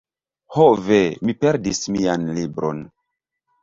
Ho ve! Mi perdis mian libron